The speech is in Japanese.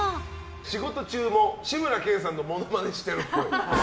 仕事中も志村けんさんのものまねしてるっぽい。